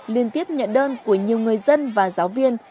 liên tiếp nhận đơn của nhiều người dân và giáo viên